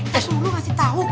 tepung lu ngasih tau